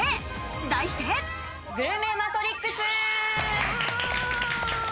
題してグルメマトリックス！